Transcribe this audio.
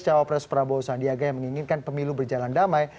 jawab pres prabowo sandiaga yang menginginkan pemilu berjalan damai